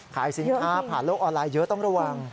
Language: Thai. ขายสินค้าผ่านโลกออนไลน์เยอะต้องระวัง